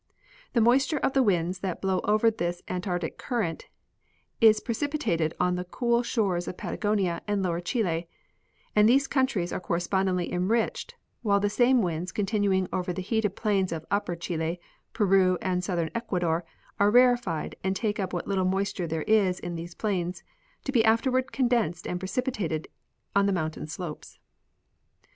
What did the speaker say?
The moisture of the winds that blow over this antarctic current is precipitated on the cool shores of Patagonia and lower Chile, and these countries are correspondingly enriched, while the same winds continuing over the heated plains of upper Chile, Peru and southern Ecua dor are rarefied and take up what little moisture there is in these plains, to be afterward condensed and precipitated on the mountain slopes.